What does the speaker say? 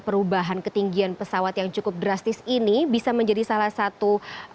perubahan ketinggian pesawat yang cukup drastis ini bisa menjadi salah satu